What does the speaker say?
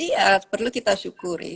iya perlu kita syukuri